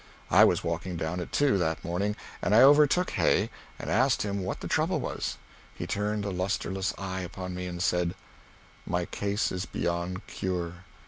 I was walking down it too, that morning, and I overtook Hay and asked him what the trouble was. He turned a lustreless eye upon me and said: "My case is beyond cure.